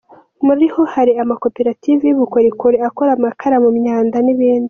Muri yo hari amakoperative y’ubukorikoli, akora amakara mu myanda, n’ibindi”.